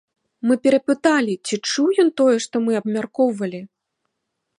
Мы перапыталі, ці чуў ён тое, што мы абмяркоўвалі?